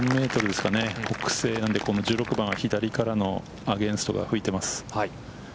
北西なので１６番は左からのアゲインストが吹いています。